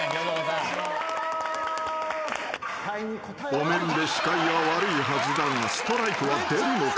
［お面で視界が悪いはずだがストライクは出るのか？］